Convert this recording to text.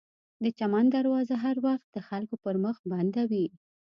د چمن دروازه هر وخت د خلکو پر مخ بنده وي.